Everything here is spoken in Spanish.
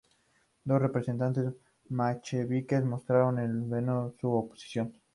Dos representantes mencheviques mostraron en vano su oposición.